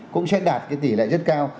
cũng sẽ đạt cái tỷ lệ rất cao